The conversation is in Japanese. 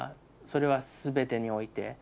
それは全てにおいて。